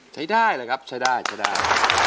ใช้ได้เลยครับใช้ได้ใช้ได้